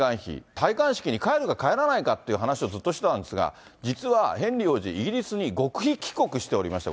戴冠式に帰るか、帰らないかという話をずっとしてたんですが、実はヘンリー王子、イギリスに極秘帰国しておりました。